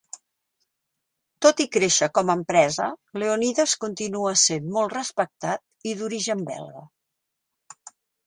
Tot i créixer com a empresa, Leonidas continua sent molt respectat i d'origen belga.